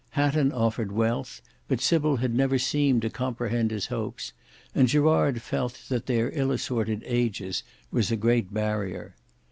Hatton offered wealth, but Sybil had never seemed to comprehend his hopes, and Gerard felt that their ill assorted ages was a great barrier.